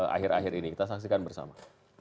akhir akhir ini kita saksikan bersama